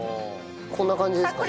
こんな感じですか？